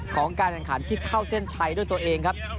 ของการแข่งขันที่เข้าเส้นชัยด้วยตัวเองครับ